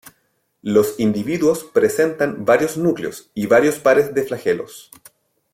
Los individuos presentan varios núcleos y varios pares de flagelos.